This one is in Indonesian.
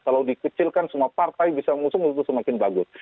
kalau dikecilkan semua partai bisa mengusung itu semakin bagus